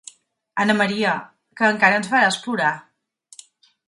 Anna Maria, que encara ens faràs plorar.